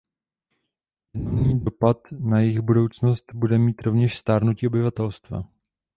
Významný dopad na jejich budoucnost bude mít rovněž stárnutí obyvatelstva.